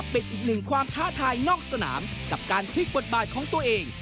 เป็นอีกหนึ่งความท้าทายนอกสนามกับการพลิกบทบาทของตัวเอง